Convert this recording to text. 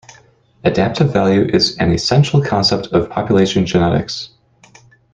Adaptive value is an essential concept of population genetics.